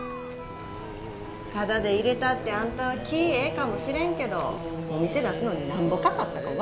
タダで入れたってあんたは気ぃええかもしれんけどお店出すのになんぼかかったか分かってんのかいな。